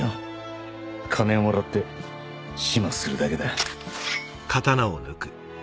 金をもらって始末するだけだ